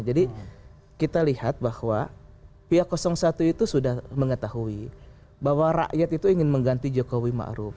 jadi kita lihat bahwa pihak satu itu sudah mengetahui bahwa rakyat itu ingin mengganti jokowi ma'ruf